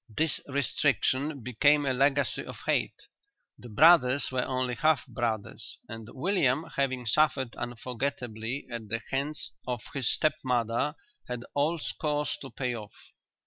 This restriction became a legacy of hate. The brothers were only half brothers and William having suffered unforgettably at the hands of his step mother had old scores to pay off.